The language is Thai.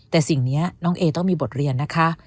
แต่สิ่งนี้น้องเอต้องมีบทเรียนนะคะ